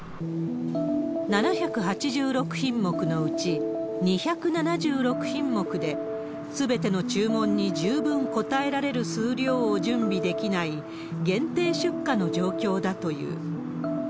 ７８６品目のうち２７６品目ですべての注文に十分応えられる数量を準備できない、限定出荷の状況だという。